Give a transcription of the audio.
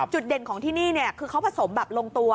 เด่นของที่นี่คือเขาผสมแบบลงตัว